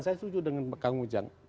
saya setuju dengan pak ngujang